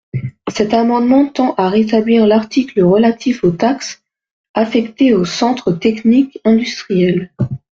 Cet amendement tend à rétablir l’article relatif aux taxes affectées aux centres techniques industriels.